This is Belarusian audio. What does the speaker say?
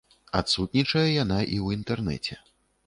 Адсутнічае яна і ў інтэрнэце.